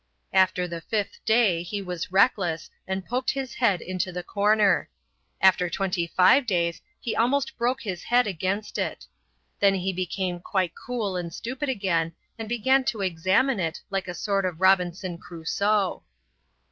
After the fifth day he was reckless, and poked his head into the corner. After twenty five days he almost broke his head against it. Then he became quite cool and stupid again, and began to examine it like a sort of Robinson Crusoe.